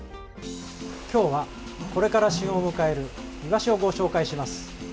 今日はこれから旬を迎えるイワシをご紹介します。